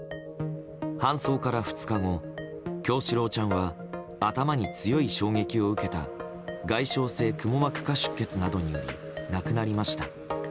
搬送から２日後、叶志郎ちゃんは頭に強い衝撃を受けた外傷性くも膜下出血などにより亡くなりました。